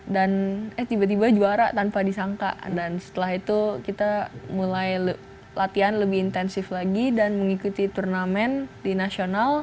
dan tiba tiba juara tanpa disangka dan setelah itu kita mulai latihan lebih intensif lagi dan mengikuti turnamen di nasional